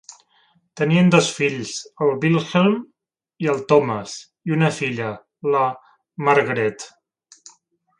Tenien dos fills, el Vilhelm i el Tomas, i una filla, la Margrethe.